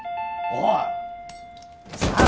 おい！